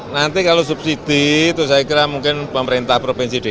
nanti kalau subsidi itu saya kira mungkin pemerintah provinsi dki